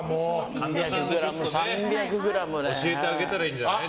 神田さんが教えてあげたらいいんじゃない？